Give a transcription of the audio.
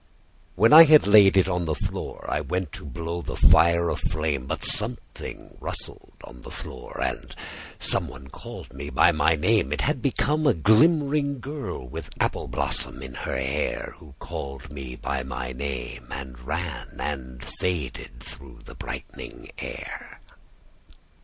When I had laid it on the floor I went to blow the fire aflame, But something rustled on the floor, And some one called me by my name: It had become a glimmering girl With apple blossom in her hair Who called me by my name and ran And faded through the brightening air.